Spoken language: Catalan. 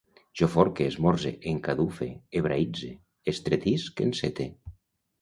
Jo forque, esmorze, encadufe, hebraïtze, estretisc, encete